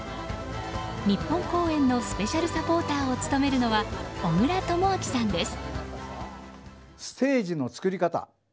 日本公演のスペシャルサポーターを務めるのは小倉智昭さんです。